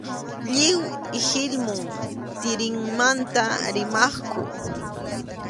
Lliw ihilmum tirinmanta rimaqku.